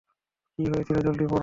কী হয়েছে জলদি পড়ো?